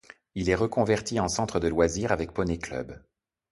Il est reconverti en centre de loisirs avec poney-club.